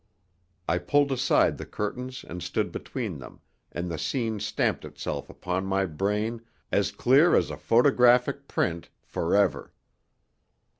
I pulled aside the curtains and stood between them, and the scene stamped itself upon my brain, as clear as a photographic print, for ever.